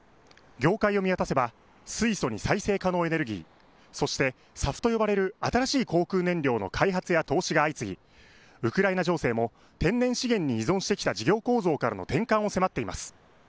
業界を見渡せば、水素に再生可能エネルギー、そしてＳＡＦと呼ばれる新しい航空燃料の開発や投資が相次ぎ、ウクライナ情勢も天然資源に依存してきた事業構造からの転換を迫っています。